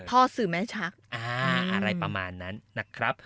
พ่อศิษย์แม่ชัก